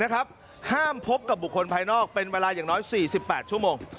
ห้ามพบกับบุคคลภายนอกเป็นเวลาอย่างน้อย๔๘ชั่วโมง